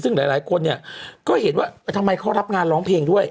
ซึ่งหลายคนเนี่ยก็เห็นว่าทำไมเขารับงานร้องเพลงด้วย